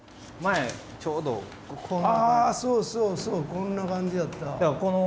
こんな感じやったわ。